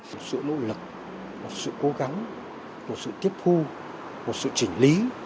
một sự nỗ lực một sự cố gắng một sự tiếp thu một sự chỉnh lý